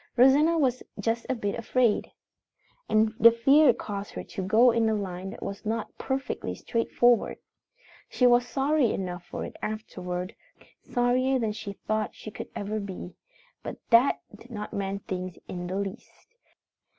Rosanna was just a bit afraid. And the fear caused her to go in a line that was not perfectly straightforward. She was sorry enough for it afterward sorrier than she thought she could ever be. But that did not mend things in the least.